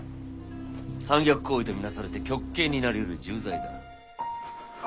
反逆行為と見なされて極刑になりうる重罪だ。